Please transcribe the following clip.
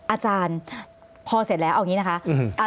อาจารย์พอเสร็จแล้วเอาอย่างนี้นะคะ